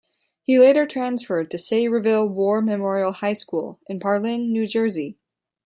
He later transferred to Sayreville War Memorial High School in Parlin, New Jersey.